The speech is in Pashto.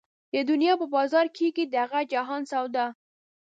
د دنيا په بازار کېږي د هغه جهان سودا